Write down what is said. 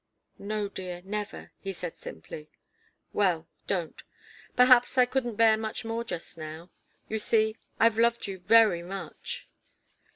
"No, dear, never," she said simply. "Well don't. Perhaps I couldn't bear much more just now. You see, I've loved you very much."